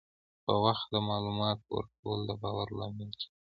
په وخت د معلوماتو ورکول د باور لامل کېږي.